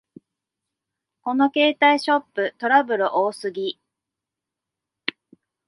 この携帯ショップ、トラブル多すぎ